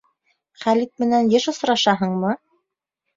Хәлит менән йыш осрашаһыңмы?